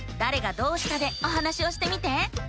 「どうした」でお話をしてみて！